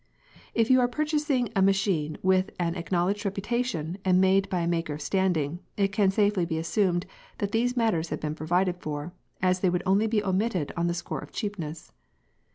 p> If you are purchasing a machine with an acknowledged reputation, and made by a maker of standing, it can safely be assumed that these matters have been provided for, as they would only be omitted on the score of cheapness.